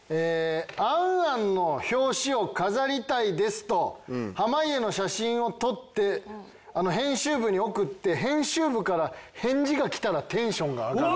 「『ａｎａｎ』の表紙を飾りたいです」と濱家の写真を撮って編集部に送って編集部から返事が来たらテンションが上がる。